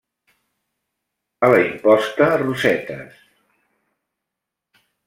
A la imposta rosetes.